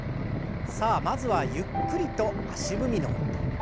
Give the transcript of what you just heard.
さあまずはゆっくりと足踏みの運動。